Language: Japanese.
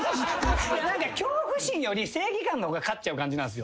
恐怖心より正義感の方が勝っちゃう感じなんすよ。